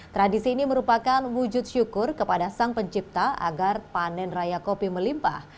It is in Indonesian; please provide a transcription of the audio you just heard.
tradisi ini merupakan wujud syukur kepada sang pencipta agar panen raya kopi melimpah